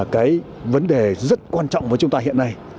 cái vấn đề rất quan trọng với chúng ta hiện nay